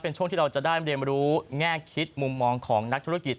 เป็นช่วงที่เราจะได้เรียนรู้แง่คิดมุมมองของนักธุรกิจ